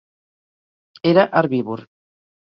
Era herbívor.